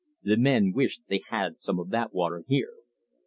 The men wished they had some of that water here.